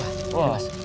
wah ini mas